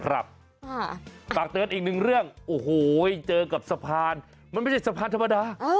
ฝากเตือนอีกหนึ่งเรื่องโอ้โหเจอกับสะพานมันไม่ใช่สะพานธรรมดา